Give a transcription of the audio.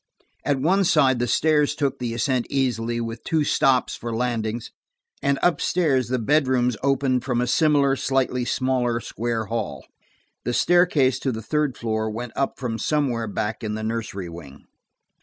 At one side the stairs took the ascent easily, with two stops for landings, and up stairs the bedrooms opened from a similar, slightly smaller square hall. The staircase to the third floor went up from somewhere back in the nursery wing.